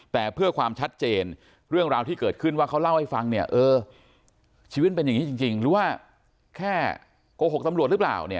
แต่เพื่อความชัดเจนเรื่องราวที่เกิดขึ้นว่าเขาเล่าให้ฟังเนี่ยเออชีวิตเป็นอย่างนี้จริงหรือว่าแค่โกหกตำรวจหรือเปล่าเนี่ย